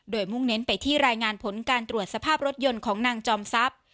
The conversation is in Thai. โดยมุ่งเน้นไปที่รายงานผลการตรวจสภาพรถยนต์ของนางจอมทรัพย์